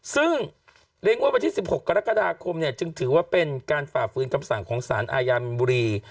ซึ่งเรียกว่าวันที่๑๖กรกฎาคมเนี่ยจึงถือว่าเป็นการฝ่าฟื้นคำสั่งของสารอาญามนบุรี